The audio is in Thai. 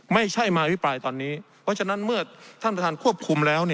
ไม่ใช่มาอภิปรายตอนนี้เพราะฉะนั้นเมื่อท่านประธานควบคุมแล้ว